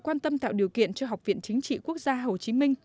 quan tâm tạo điều kiện cho học viện chính trị quốc gia hồ chí minh